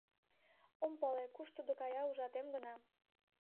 Ом пале, куш тудо кая, ужатем гына.